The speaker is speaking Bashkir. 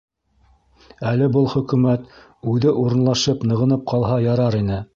Әле был хөкүмәт үҙе урынлашып, нығынып ҡалһа ярар ине.